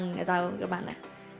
gak tau kemana